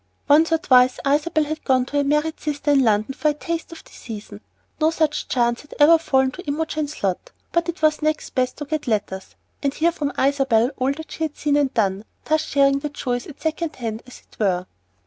Once or twice Isabel had gone to her married sister in London for a taste of the "season." No such chance had ever fallen to Imogen's lot, but it was next best to get letters, and hear from Isabel of all that she had seen and done; thus sharing the joys at second hand, as it were.